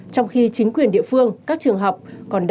trong khi chính quyền địa phương các trường học